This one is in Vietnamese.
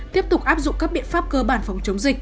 tiếp tục áp dụng các biện pháp cơ bản phòng chống dịch